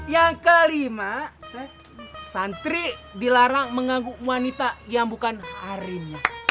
yang kelima santri dilarang mengganggu wanita yang bukan harim